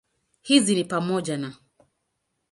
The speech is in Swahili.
Hizi ni pamoja na